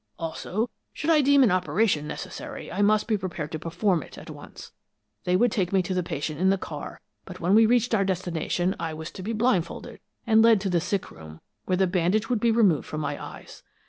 Also, should I deem an operation necessary, I must be prepared to perform it at once. They would take me to the patient in the car, but when we reached our destination, I was to be blindfolded, and led to the sickroom, where the bandage would be removed from my eyes.